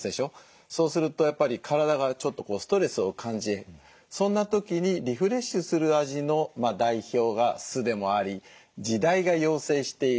そうするとやっぱり体がちょっとこうストレスを感じそんな時にリフレッシュする味の代表が酢でもあり時代が要請している。